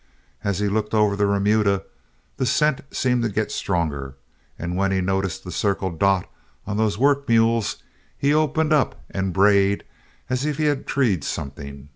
As he looked over the remuda, the scent seemed to get stronger, and when he noticed the 'Circle Dot' on those work mules, he opened up and bayed as if he had treed something.